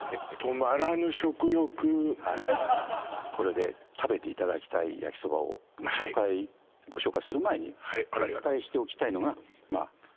はいこれで食べていただきたい焼きそばをご紹介する前にお伝えしておきたいのがまあ